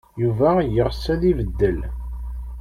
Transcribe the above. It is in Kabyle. Yuba yeɣs ad ibeddel.